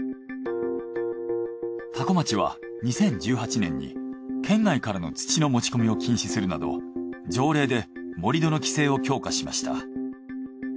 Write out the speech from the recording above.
多古町は２０１８年に県外からの土の持ち込みを禁止するなど条例で盛り土の規制を強化しました。